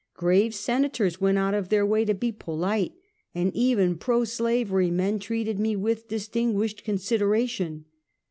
Grave Senators went out of their way to be polite, and even pro slavery men treated me with distinguished consideration.